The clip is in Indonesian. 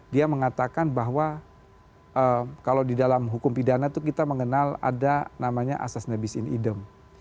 dia mengatakan bahwa kalau di dalam hukum pidana itu kita mengenal ada namanya asas nebis in idem